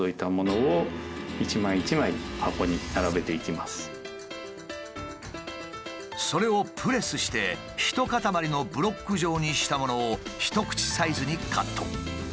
まずそれをプレスして一塊のブロック状にしたものを一口サイズにカット。